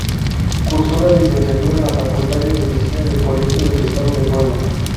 Cursó la licenciatura en la Facultad de Medicina del Colegio del Estado de Puebla.